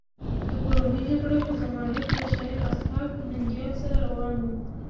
د کورنۍ جګړې په زمانه کې له شاعر اسحق ننګیال سره روان وم.